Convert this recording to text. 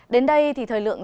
đến đây thì thời lượng